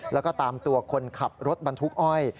แล้วก็ตามตัวคนขับรถบรรทุกอ้อย